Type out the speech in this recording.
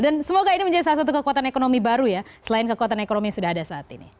dan semoga ini menjadi salah satu kekuatan ekonomi baru ya selain kekuatan ekonomi yang sudah ada saat ini